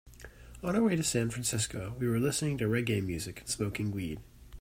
On our way to San Francisco, we were listening to reggae music and smoking weed.